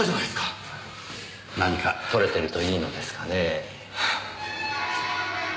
何か撮れてるといいのですがねぇ。